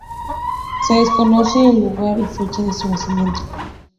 Se desconoce el lugar y fecha de su nacimiento.